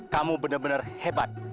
kamu benar benar hebat